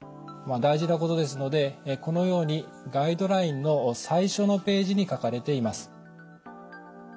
大事なことですのでこのようにガイドラインの最初のページに書かれています。